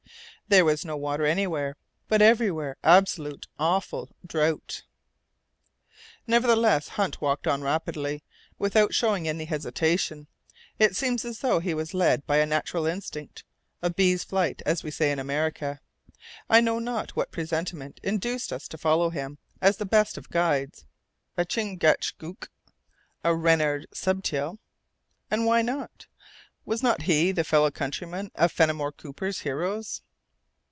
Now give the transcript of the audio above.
There was no water anywhere; but everywhere absolute, awful drought. Nevertheless, Hunt walked on rapidly, without showing any hesitation. It seemed as though he was led by a natural instinct, "a bee's flight," as we say in America. I know not what presentiment induced us to follow him as the best of guides, a Chingachgook, a Renard Subtil. And why not? Was not he the fellow countryman of Fenimore Cooper's heroes?